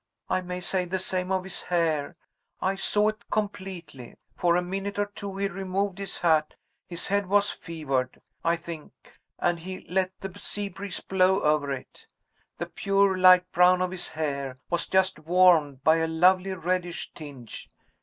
I may say the same of his hair. I saw it completely. For a minute or two he removed his hat his head was fevered, I think and he let the sea breeze blow over it. The pure light brown of his hair was just warmed by a lovely reddish tinge.